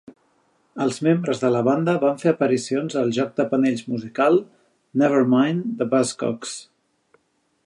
Els membres de la banda van fer aparicions al joc de panells musicals "Never Mind the Buzzcocks".